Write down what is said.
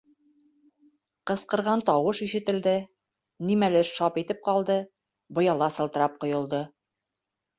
Ҡысҡырған тауыш ишетелде, нимәлер шап итеп ҡалды, быяла сылтырап ҡойолдо.